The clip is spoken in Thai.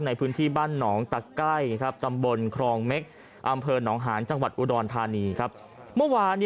ในพื้นที่บ้านหนองตะไก้ครับจำบลครองม